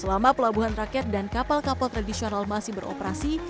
selama pelabuhan rakyat dan kapal kapal tradisional masih beroperasi